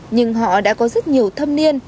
nhưng họ đã có rất nhiều thâm niên